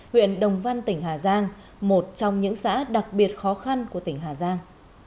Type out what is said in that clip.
huyện đồng văn tỉnh hà giang một trong những xã đặc biệt khó khăn của tỉnh hà giang